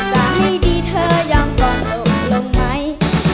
จะให้ดีเธอยอมก่อนลงไหม